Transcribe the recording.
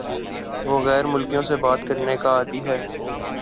وہ غیر ملکیوں سے بات کرنے کا عادی ہے